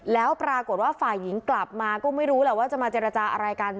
แล้วปรากฏว่าฝ่ายหญิงกลับมาก็ไม่รู้แหละว่าจะมาเจรจาอะไรกัน